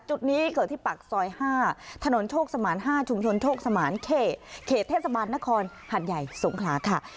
จุดนี้เกิดที่ปากซอย๕ถนนโชคสมาน๕ชุมชนโชคสมานเขตเทศบาลนครหัดใหญ่สงขลาค่ะ